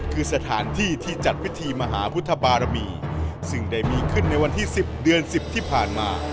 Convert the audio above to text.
คือสถานที่ที่จัดพิธีมหาพุทธบารมีซึ่งได้มีขึ้นในวันที่๑๐เดือน๑๐ที่ผ่านมา